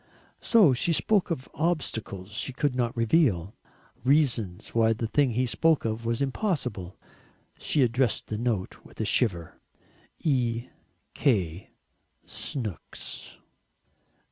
So she spoke of "obstacles she could not reveal" "reasons why the thing he spoke of was impossible." She addressed the note with a shiver, "E. K. Snooks."